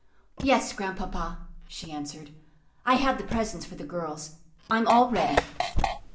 "Yes, Grandpapa," she answered. "I have the presents for the girls. I'm all ready."